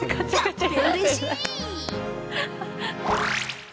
うれしい。